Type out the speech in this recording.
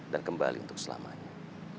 dan kembali untuk selamanya